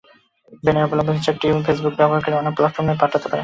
Red envelope ফিচারটির মাধ্যমে Facebook ব্যবহারকারীরা অন্য প্ল্যাটফর্মে অর্থ পাঠাতে পারবেন।